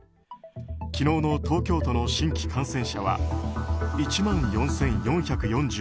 昨日の東京都の新規感染者は１万４４４５人。